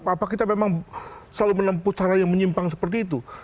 apa kita memang selalu menempuh cara yang menyimpang seperti itu